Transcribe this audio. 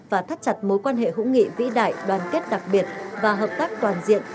và thắt chặt mối quan hệ hữu nghị vĩ đại đoàn kết đặc biệt và hợp tác toàn diện